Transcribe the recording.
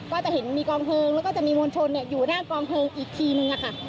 ก็จะเห็นมีกองเพลิงแล้วก็จะมีมวลชนเนี่ยอยู่หน้ากลองเพลิงอีกทีหนึ่งอ่ะค่ะ